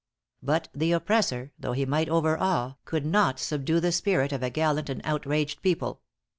But the oppressor, though he might overawe, could not subdue the spirit of a gallant and outraged people.